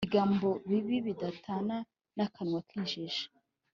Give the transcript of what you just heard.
Ibigambo bibi bidatana n’akanwa k’injiji.